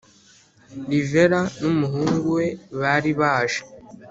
Rivera n’umuhungu we bari baje